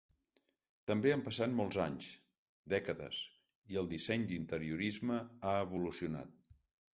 També han passat molts anys, dècades, i el disseny d'interiorisme ha evolucionat.